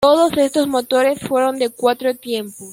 Todos estos motores fueron de cuatro tiempos.